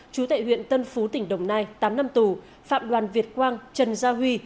chú tại huyện tân phú tỉnh đồng nai tám năm tù phạm đoàn việt quang trần gia huy